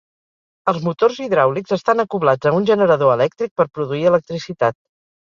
Els motors hidràulics estan acoblats a un generador elèctric per produir electricitat.